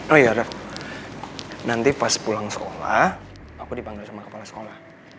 oh ya raff nanti pas pulang sekolah aku dipanggil sama kepala sekolah